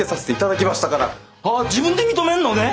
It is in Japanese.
あ自分で認めるのね？